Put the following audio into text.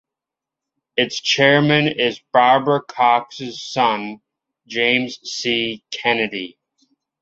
Its chairman is Barbara Cox's son, James C. Kennedy.